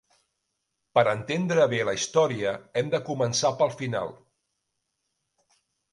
Per entendre bé la història, hem de començar pel final.